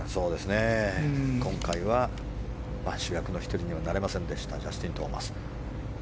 今回は主役の１人にはなれませんでしたジャスティン・トーマス。